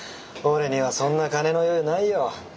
俺にはそんな金の余裕ないよ。